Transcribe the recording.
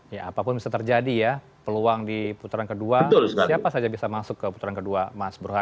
ya apapun bisa terjadi ya peluang di putaran kedua siapa saja bisa masuk ke putaran kedua mas burhan